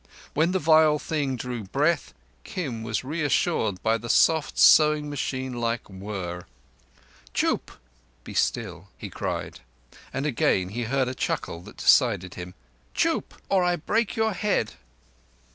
When the vile thing drew breath, Kim was reassured by the soft, sewing machine like whirr. "Chûp! (Be still)" he cried, and again he heard a chuckle that decided him. "Chûp—or I break your head."